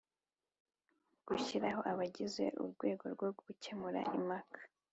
Gushyiraho abagize urwego rwo gukemura impaka